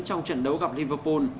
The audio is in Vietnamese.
trong trận đấu gặp liverpool